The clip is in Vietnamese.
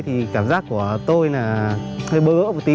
thì cảm giác của tôi là hơi bớ vỡ một tí